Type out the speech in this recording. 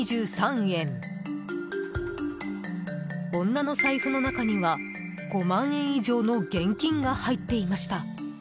女の財布の中には、５万円以上の現金が入っていました。